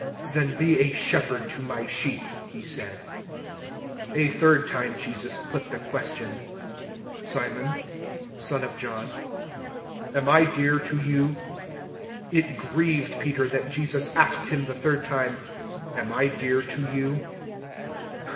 "Then be a shepherd to my sheep," He said. 021:017 A third time Jesus put the question: "Simon, son of John, am I dear to you?" It grieved Peter that Jesus asked him the third time, "Am I dear to you?"